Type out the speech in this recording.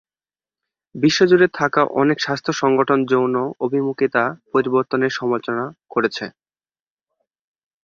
বিশ্বজুড়ে থাকা অনেক স্বাস্থ্য সংগঠন যৌন অভিমুখিতা পরিবর্তনের সমালোচনা করেছে।